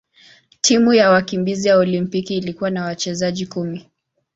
Timu ya wakimbizi ya Olimpiki ilikuwa na wachezaji kumi.